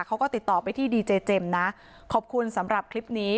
เขาก็ติดต่อไปที่ดีเจเจมส์นะขอบคุณสำหรับคลิปนี้